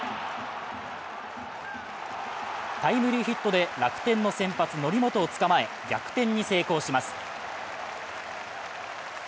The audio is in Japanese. タイムリーヒットで楽天の先発、則本を捕まえ、逆転に成功します。